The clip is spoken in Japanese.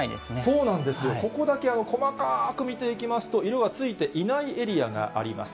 そうなんですよ、ここだけ細かく見ていきますと、色はついていないエリアがあります。